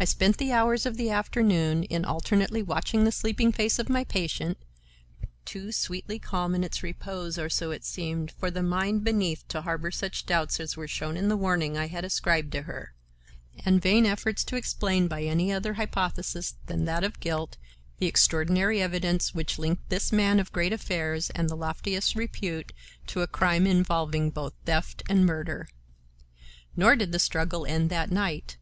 I spent the hours of the afternoon in alternately watching the sleeping face of my patient, too sweetly calm in its repose, or so it seemed, for the mind beneath to harbor such doubts as were shown in the warning I had ascribed to her, and vain efforts to explain by any other hypothesis than that of guilt, the extraordinary evidence which linked this man of great affairs and the loftiest repute to a crime involving both theft and murder. Nor did the struggle end that night.